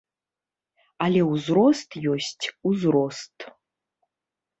Але ўзрост ёсць узрост.